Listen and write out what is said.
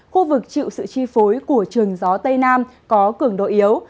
khu vực chịu sự chi phối của trường gió tây nam có cường độ yếu